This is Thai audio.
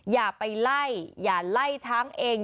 อย่าไปไล่อย่าไล่ช้างเอง